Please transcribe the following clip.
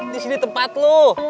disini tempat lu